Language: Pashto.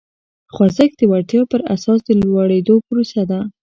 خوځښت د وړتیا پر اساس د لوړېدو پروسه ده.